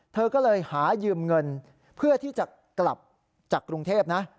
เธอก็เลยหายืมเงินเพื่อที่จะกลับจากกรุงเทพนะ